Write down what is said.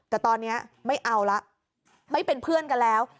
แต่ตอนนี้ไม่เอาละไม่เป็นเพื่อนกันแล้ว